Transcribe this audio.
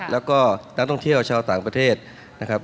แล้วก็นักท่องเที่ยวชาวต่างประเทศนะครับ